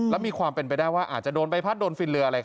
แล้วมีความเป็นไปได้ว่าอาจจะโดนใบพัดโดนฟินเรืออะไร